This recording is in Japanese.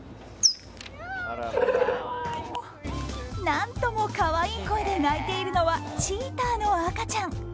何とも可愛い声で鳴いているのはチーターの赤ちゃん。